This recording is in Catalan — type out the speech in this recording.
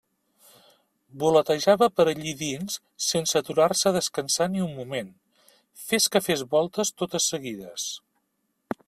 Voletejava per allí dins sense aturar-se a descansar ni un moment, fes que fes voltes totes seguides.